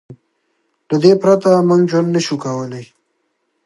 له دې پرته موږ ژوند نه شو کولی.